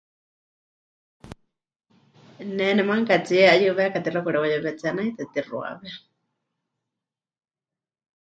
Ne nemanukatsíe 'ayɨweka tixaɨ pɨkareuyewetsé, naitɨ pɨtixuawe.